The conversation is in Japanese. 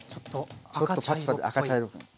ちょっとパチパチ赤茶色。